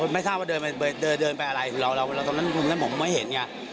ไม่ทราบว่าเดินไปอะไรตรงนั้นผมไม่เห็นเนี่ย